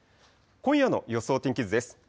今夜の予想天気図です。